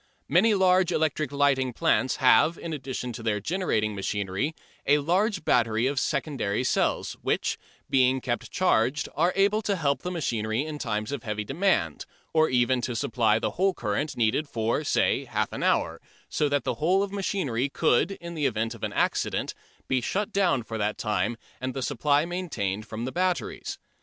Many large electric lighting plants have in addition to their generating machinery a large battery of secondary cells, which, being kept charged, are able to help the machinery in times of heavy demand, or even to supply the whole current needed for, say, half an hour, so that the whole of the machinery could, in the event of an accident, be shut down for that time and the supply maintained from the batteries.